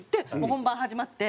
本番始まって？